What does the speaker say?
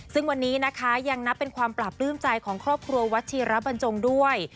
ซึ่งวันนี้นะคะยังนับเป็นความปราบปลื้มใจของครอบครัววัดชีระบรรจงด้วย